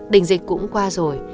đình dịch cũng qua rồi